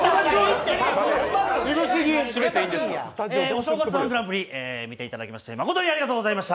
正月−１グランプリ見ていただき、誠にありがとうございました。